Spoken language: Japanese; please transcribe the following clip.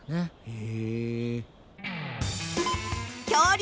へえ。